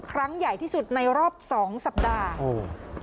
ครั้งใหญ่ที่สุดในรอบ๒สัปดาห์